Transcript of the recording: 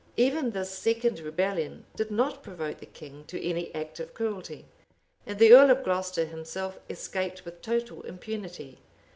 Even this second rebellion did not provoke the king to any act of cruelty; and the earl of Glocester himself escaped with total impunity.